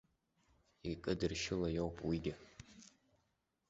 Икыдыршьыло иоуп уигьы.